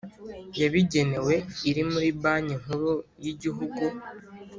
yabigenewe iri muri Banki Nkuru y Igihugu